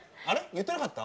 言ってなかった？